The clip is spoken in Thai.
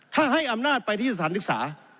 ถ้าให้อำนาจไปที่สถานศึกษา